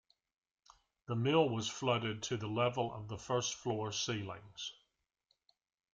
The mill was flooded to the level of the first floor ceilings.